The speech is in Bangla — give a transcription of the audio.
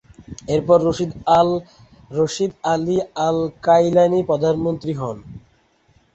এরপর রশিদ আলি আল-কাইলানি প্রধানমন্ত্রী হন।